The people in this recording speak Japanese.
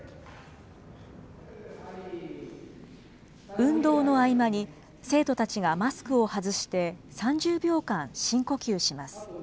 運動の合間に、生徒たちがマスクを外して３０秒間、深呼吸します。